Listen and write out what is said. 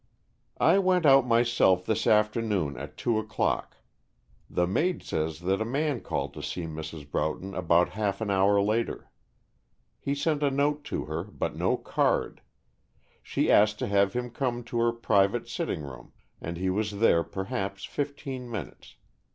"I went out myself this afternoon at two o'clock. The maid says that a man called to see Mrs. Broughton about half an hour later. He sent a note to her, but no card. She asked to have him come to her private sitting room, and he was there perhaps fifteen minutes.